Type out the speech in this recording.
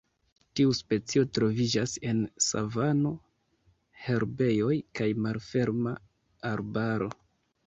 Tiu specio troviĝas en savano, herbejoj kaj malferma arbaro.